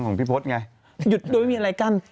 นี่ดูคะ